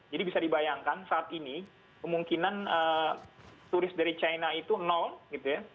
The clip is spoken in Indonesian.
jadi bisa dibayangkan saat ini kemungkinan turis dari china itu gitu ya